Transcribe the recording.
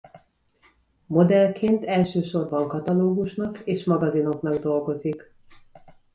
Modellként elsősorban katalógusnak és magazinoknak dolgozik.